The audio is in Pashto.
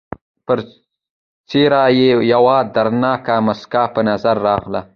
پر څېره یې یوه دردناکه مسکا په نظر راغله.